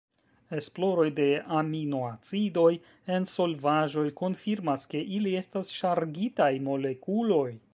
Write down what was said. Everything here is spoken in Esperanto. Esploroj de aminoacidoj en solvaĵoj konfirmas ke ili estas ŝargitaj molekuloj.